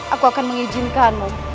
aku akan mengizinkanmu